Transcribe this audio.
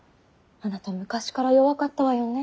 あなた昔から弱かったわよね。